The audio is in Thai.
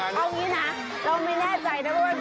เอางี้นะเราไม่แน่ใจนะว่า